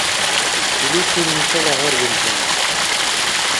Иличил нушала гьарбилзан.